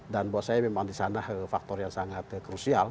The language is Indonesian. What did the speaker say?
dan buat saya memang di sana faktor yang sangat krusial